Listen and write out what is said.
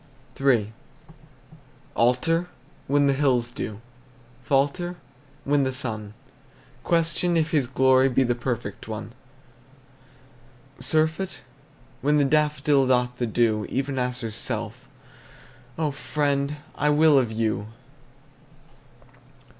III. Alter? When the hills do. Falter? When the sun Question if his glory Be the perfect one. Surfeit? When the daffodil Doth of the dew: Even as herself, O friend! I will of you!